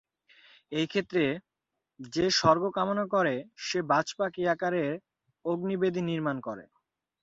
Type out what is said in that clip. এই ক্ষেত্রে," যে স্বর্গ কামনা করে সে বাজপাখি আকারে অগ্নি-বেদী নির্মাণ করে।"